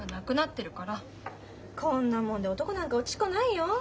こんなもんで男なんか落ちっこないよ？